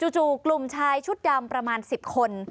จู่กลุ่มชายชุดดำประมาณ๑๐คน